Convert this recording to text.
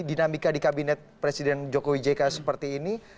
dinamika di kabinet presiden joko widjeka seperti ini